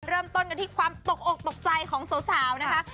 เริ่มต้นกันที่ความตกอกตกใจของสาวนะคะ